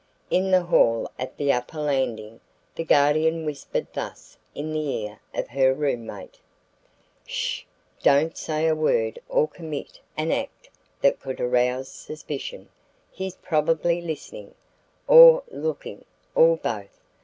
In the hall at the upper landing, the Guardian whispered thus in the ear of her roommate: "Sh! Don't say a word or commit an act that could arouse suspicion. He's probably listening, or looking, or both.